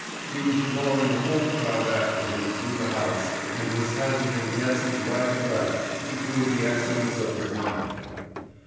He was drawing the whole crowd after him through the house and was hazarding guesses right and left to prove the excellence of his memory.